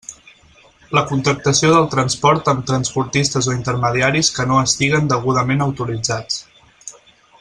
La contractació del transport amb transportistes o intermediaris que no estiguen degudament autoritzats.